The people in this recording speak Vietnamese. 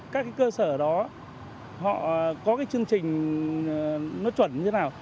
các cái cơ sở đó họ có cái chương trình nó chuẩn như thế nào